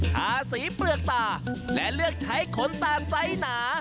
ทาสีเปลือกตาและเลือกใช้ขนตาไซส์หนา